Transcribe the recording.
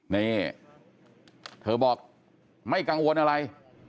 นี่เธอบอกไม่กังวลอะไร